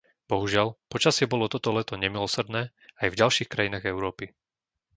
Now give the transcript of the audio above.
Bohužiaľ, počasie bolo toto leto nemilosrdné aj v ďalších krajinách Európy.